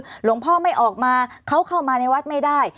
หลวงพ่อไม่ออกมาเขาเข้ามาในวัดไม่ได้